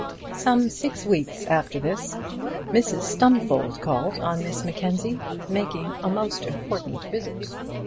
Some six weeks after this Mrs Stumfold called on Miss Mackenzie, making a most important visit.